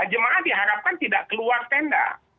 jemaah diharapkan tidak keluar tenda